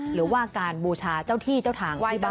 หรือว่าการบูชาเจ้าที่เจ้าทาง